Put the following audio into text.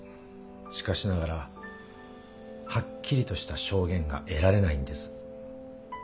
しかしながらはっきりとした証言が得られないんです。